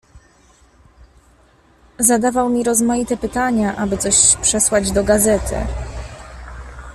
"Zadawał mi rozmaite pytania, aby coś przesłać do gazety."